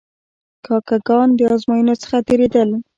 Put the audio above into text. کاکه ګان د آزموینو څخه تیرېدل.